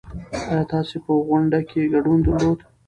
ايا تاسې په غونډه کې ګډون درلود؟